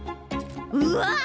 うわっ！